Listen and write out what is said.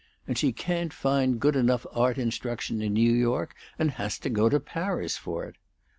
And she can't find good enough art instruction in New York, and has to go to Paris for it!